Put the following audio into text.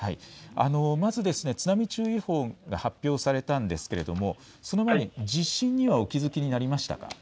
まず津波注意報が発表されたんですがその前に地震にはお気付きになりましたか。